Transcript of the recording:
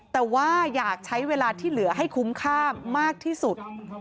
แต่ว่าอยากใช้เวลาที่เหลือให้คุ้มค่ามากที่สุด